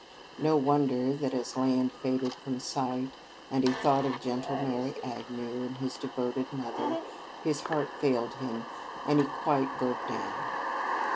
No wonder that, as land faded from sight, and he thought of gentle Mary Agnew and his devoted mother, his heart failed him, and he quite broke down.